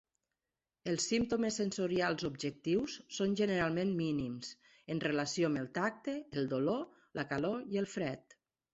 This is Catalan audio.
Els símptomes sensorials objectius són generalment mínims, en relació amb el tacte, el dolor, la calor i el fred.